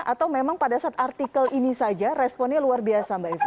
atau memang pada saat artikel ini saja responnya luar biasa mbak eva